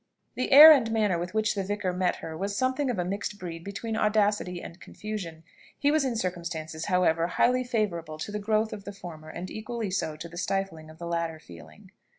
The air and manner with which the vicar met her was something of a mixed breed between audacity and confusion. He was in circumstances, however, highly favourable to the growth of the former and equally so to the stifling of the latter feeling.